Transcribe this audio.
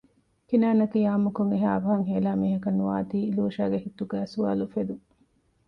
ކިނާންއަކީ އާންމުކޮށް އެހާ އަވަހަށް ހޭލާ މީހަކަށް ނުވާތީ ލޫޝާގެ ހިތުގައި ސުވާލު އުފެދުން